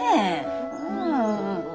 うん。